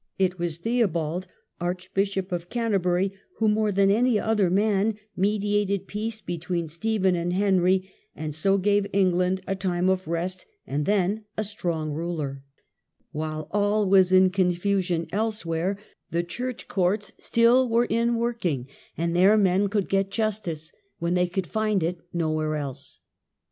It was Theobald, Archbishop of Canterbury, who more than any other man mediated peace between Stephen and Henry, and so gave England a time of rest and then a strong ruler. While all was confusion elsewhere, the church courts l6 THE CHURCH'S STRENGTH. Still were in working, and there men could get justice, when they could find it nowhere else.